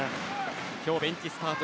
今日ベンチスタート